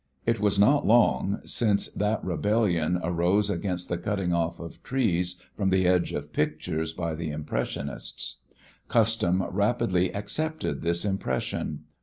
It was not long since that rebellion arose against the cutting off of trees from the edge of pictures by the Impressionists. Custom rapidly accepted this impression.